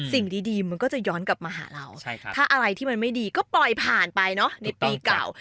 สิ่งดีมันก็จะย้อนกลับมาหาเราถ้าอะไรที่มันไม่ดีก็ปล่อยผ่านไปเนอะในปีเก่า